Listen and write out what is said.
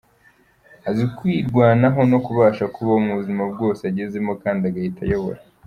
Azi kwirwanaho no kubasha kubaho mu buzima bwose agezemo kandi agahita ayobora.